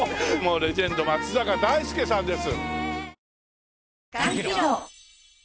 レジェンド松坂大輔さんです。